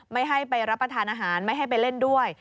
ไม่ให้ไปรับประทานอาหารไม่ให้ไปเล่นด้วย